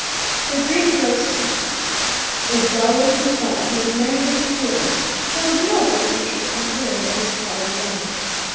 The greengrocer, a dull looking fellow who was measuring potatoes, showed no great interest on hearing what his callers wanted.